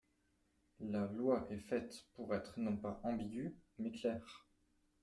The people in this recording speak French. La loi est faite pour être non pas ambiguë, mais claire.